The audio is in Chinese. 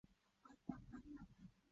其父阿尔塔什达在同治十三年去世。